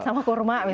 sama kurma misalnya